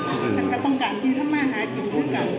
อันนี้คือมันมาพอ